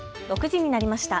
６時になりました。